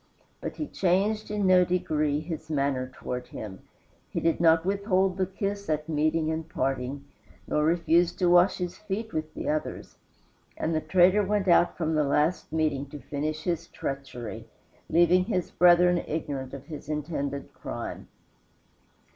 But he changed in no degree his manner toward him; he did not withhold the kiss at meeting and parting, nor refuse to wash his feet with the others; and the traitor went out from the last meeting to finish his treachery, leaving his brethren ignorant of his intended crime.